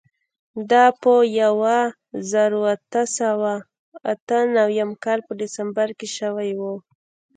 دا په یوه زرو اتو سوو اته نوېم کال په ډسمبر کې شوې وه.